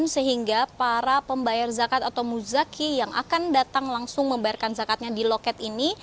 sehingga para pembayar zakat atau muzaki yang akan datang langsung membayarkan zakatnya di loket ini